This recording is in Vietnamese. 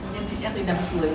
nhưng chị đang đi nắm cưới